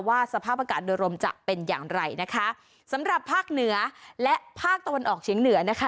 สภาพอากาศโดยรวมจะเป็นอย่างไรนะคะสำหรับภาคเหนือและภาคตะวันออกเฉียงเหนือนะคะ